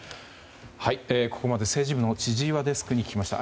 ここまで、政治部の千々岩デスクに聞きました。